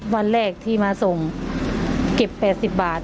วันแรกที่มาส่งเก็บ๘๐บาท